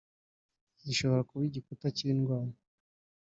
gishobora kuba igikuta cy'indwara